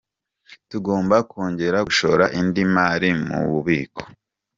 Tugomba kongera gushora indi mari mu bubiko.